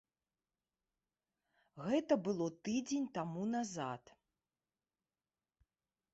Гэта было тыдзень таму назад.